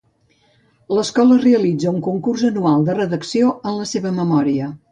L'escola realitza un concurs anual de redacció en la seva memòria.